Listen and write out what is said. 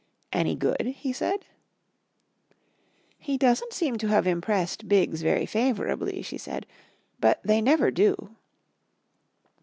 "Any good?" he said. "He doesn't seem to have impressed Biggs very favourably," she said, "but they never do."